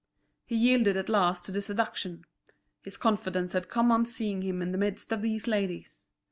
He yielded at last to the seduction; his confidence had come on seeing him in the midst of these ladies.